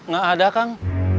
gak ada kang